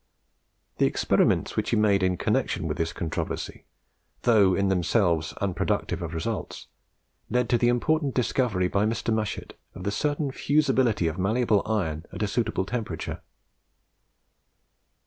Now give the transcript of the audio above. The experiments which he made in connection with this controversy, though in themselves unproductive of results, led to the important discovery by Mr. Mushet of the certain fusibility of malleable iron at a suitable temperature.